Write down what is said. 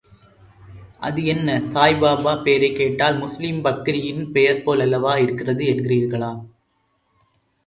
அது என்ன சாயிபாபா, பேரைக் கேட்டால் முஸ்லிம் பக்கிரியின் பெயர் போல் அல்லவா இருக்கிறது என்கிறீர்களா?